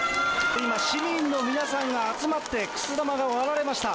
今、市民の皆さんが集まって、くす玉が割られました。